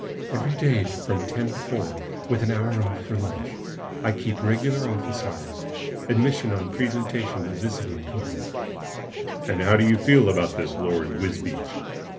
"Every day from ten to four, with an hour off for lunch. I keep regular office hours. Admission on presentation of visiting card." "And how do you feel about this Lord Wisbeach?"